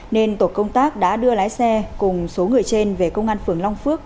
nên tổ công tác đã đưa lái xe cùng số người trên về công an phường long phước